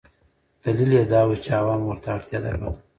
دلیل یې دا و چې عوامو ورته اړتیا درلوده.